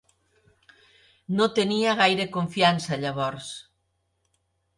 No tenia gaire confiança llavors.